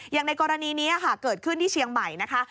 อย่างในกรณีนี้ค่ะเกิดขึ้นที่เชียงใหม่นะคะ